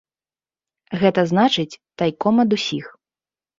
Гэта значыць тайком ад усіх.